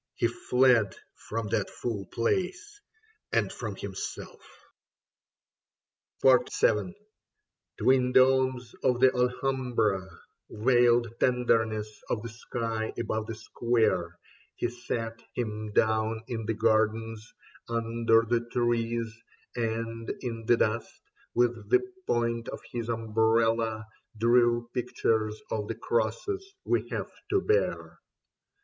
he fled From that foul place and from himself. Soles Occidere et Redire Possunt 71 VII TWIN domes of the Alhambra, Veiled tenderness of the sky above the Square : He sat him down in the gardens, under the trees, And in the dust, with the point of his umbrella, Drew pictures of the crosses we have to bear.